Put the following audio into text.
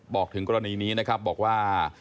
บอกถึงกรณีนี้บอกว่า